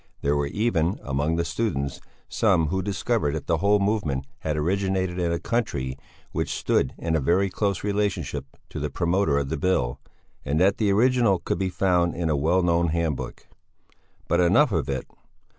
There were even, among the students, some who discovered that the whole movement had originated in a country which stood in very close relationship to the promoter of the Bill, and that the original could be found in a well known handbook. But enough of it!